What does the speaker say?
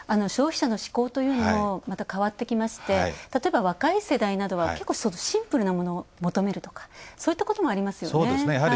消費者のしこうというのもまた変わってきまして例えば、若い世代などは結構シンプルなものを求めるとかそういったこともありますよね。